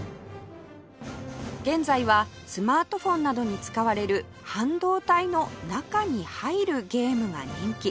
現在はスマートフォンなどに使われる半導体の中に入るゲームが人気